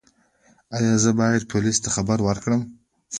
ایا زه باید پولیسو ته خبر ورکړم؟